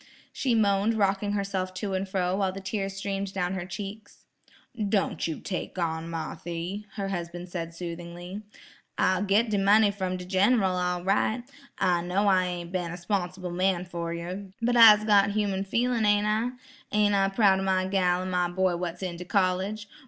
she moaned rocking herself to and fro while the tears streamed down her cheeks. "Don' you take on, Marthy," her husband said soothingly. 'I'll git de money from de Gin ral all right. I know I ain't been a 'sponsible man fer yer, but I'se got human feelin', ain't I? Ain't I proud o' my gal an' my boy what's in de college?